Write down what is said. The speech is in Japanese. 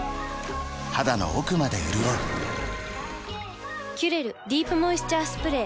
肌の奥まで潤う「キュレルディープモイスチャースプレー」